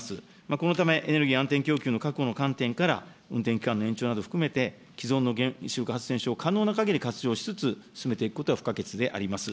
このため、エネルギー安定供給の確保の観点から、運転期間の延長などを含めて、既存の原子力発電所を可能なかぎり活用しつつ、進めていくことが不可欠であります。